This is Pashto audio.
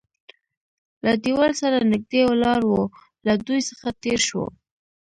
له دېوال سره نږدې ولاړ و، له دوی څخه تېر شوو.